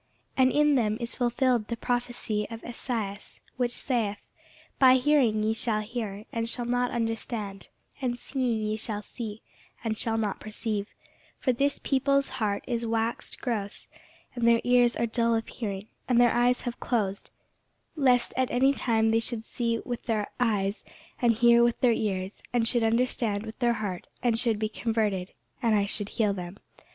And in them is fulfilled the prophecy of Esaias, which saith, By hearing ye shall hear, and shall not understand; and seeing ye shall see, and shall not perceive: for this people's heart is waxed gross, and their ears are dull of hearing, and their eyes they have closed; lest at any time they should see with their eyes, and hear with their ears, and should understand with their heart, and should be converted, and I should heal them.